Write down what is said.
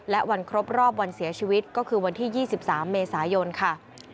และวันครบรอบวันเสียชีวิตก็คือวันที่๒๓เมษายนค่ะ